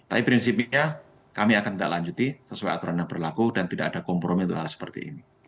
tapi prinsipnya kami akan tidak lanjuti sesuai aturan yang berlaku dan tidak ada kompromi untuk hal seperti ini